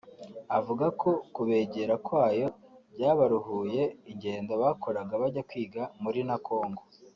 avuga ko kubegera kwayo byabaruhuye ingendo bakoraga bajya kwiga muri na Congo